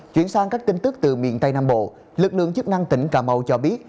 chuyển sang các tin tức từ miền tây nam bộ lực lượng chức năng tỉnh cà mau cho biết